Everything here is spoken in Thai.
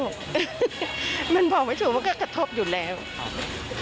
ค่อยต้องบอกว่าสเมนทั่วนี้